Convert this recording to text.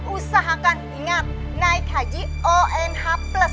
usahakan ingat naik haji onh plus